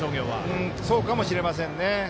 そうかもしれませんね。